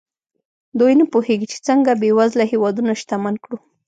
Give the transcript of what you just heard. دوی نه پوهېږي چې څنګه بېوزله هېوادونه شتمن کړو.